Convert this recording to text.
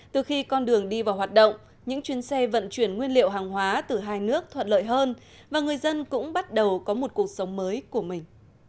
từ khi con đường đi vào hoạt động những chuyến xe vận chuyển nguyên liệu hàng hóa từ hai nước thuận lợi hơn và người dân cũng bắt đầu có một cuộc sống mới của mình